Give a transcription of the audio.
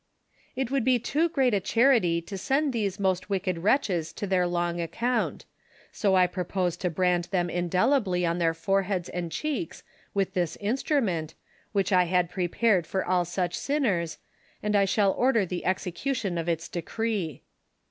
] "It would be too great a charity to send these most wicked wretches to their long account ; so I propose to brand them indelibly on tlieir foreheads and cheeks with this instrument, which I had prepared for all such sinners, and I shall order the execution of its decree.